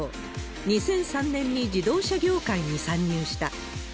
２００３年に自動車業界に参入した。